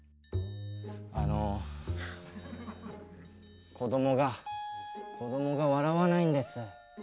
あのこどもがこどもが笑わないんです。